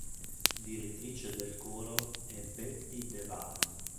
Direttrice del coro è Betty de Waal.